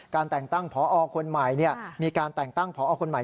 แต่งตั้งพอคนใหม่มีการแต่งตั้งพอคนใหม่